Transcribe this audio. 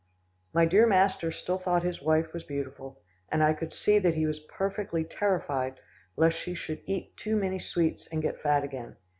My dear master still thought his wife was beautiful, and I could see that he was perfectly terrified, lest she should eat too many sweets and get fat again.